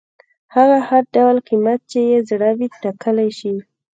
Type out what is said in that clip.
هغه هر ډول قیمت چې یې زړه وي ټاکلی شي.